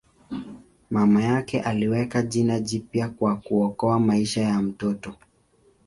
Mama yake aliweka jina jipya kwa kuokoa maisha ya mtoto.